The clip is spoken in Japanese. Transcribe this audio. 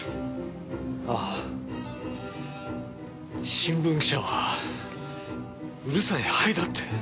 新聞記者はうるさいハエだって。